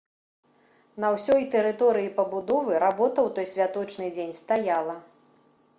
На ўсёй тэрыторыі пабудовы работа ў той святочны дзень стаяла.